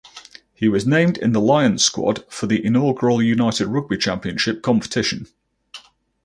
He was named in the Lions squad for the inaugural United Rugby Championship competition.